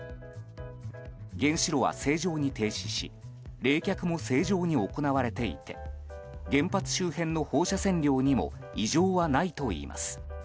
原子炉は正常に停止し冷却も正常に行われていて原発周辺の放射線量にも異常はないといいます。